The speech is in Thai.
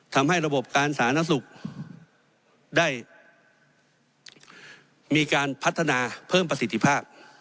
ทำให้ระบบการสารนักศึกได้มีการพัฒนาเพิ่มประสิทธิภาพ